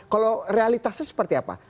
kalau realitasnya seperti apa